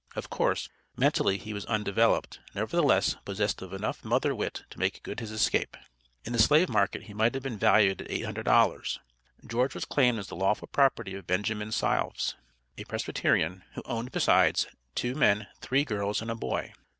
Of course, mentally he was undeveloped, nevertheless, possessed of enough mother wit to make good his escape. In the slave market he might have been valued at $800. George was claimed as the lawful property of Benjamin Sylves a Presbyterian, who owned besides, two men, three girls, and a boy.